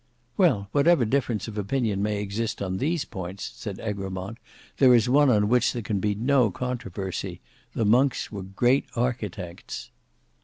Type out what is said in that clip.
"Well, whatever difference of opinion may exist on these points," said Egremont, "there is one on which there can be no controversy: the monks were great architects."